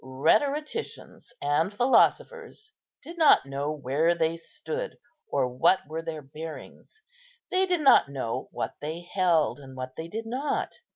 Rhetoricians and philosophers did not know where they stood, or what were their bearings. They did not know what they held, and what they did not.